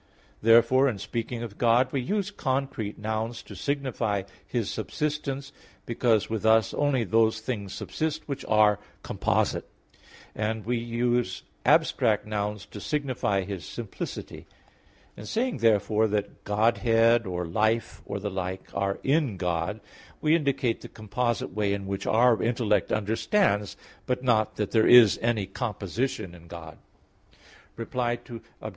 Therefore in speaking of God, we use concrete nouns to signify His subsistence, because with us only those things subsist which are composite; and we use abstract nouns to signify His simplicity. In saying therefore that Godhead, or life, or the like are in God, we indicate the composite way in which our intellect understands, but not that there is any composition in God. Reply Obj.